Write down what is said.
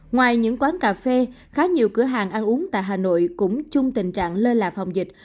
ngoài những quán cà phê khá nhiều cửa hàng ăn uống tại hà nội cũng chung tình trạng lơ là phòng dịch